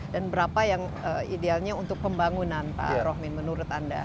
dan berapa yang idealnya untuk pembangunan pak rohmin menurut anda